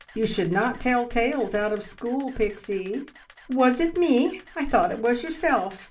You should not tell tales out of school, Pixie!" "Was it me? I thought it was yourself.